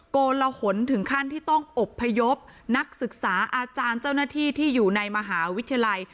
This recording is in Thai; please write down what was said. โกลหนถึงขั้นที่ต้องอบพยพนักศึกษาอาจารย์เจ้าหน้าที่ที่อยู่ในมหาวิทยาลัย